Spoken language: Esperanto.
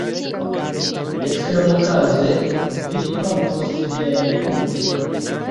Ekstremokaze vi rompos viajn ungojn!